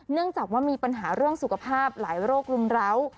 เนื่องจากว่ามีปัญหาเรื่องสุขภาพหลายโรครุมร้าว